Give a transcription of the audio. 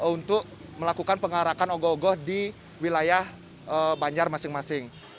untuk melakukan pengarakan ogoh ogoh di wilayah banjar masing masing